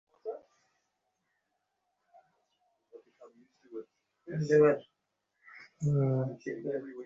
দ্বিতীয়ত এঁরা দুজনেই আমার ধর্মের আনুষ্ঠানিক দিকটা জানতে চান।